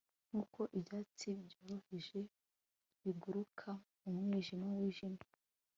Nkuko ibyatsi byoroheje biguruka mu mwijima wijimye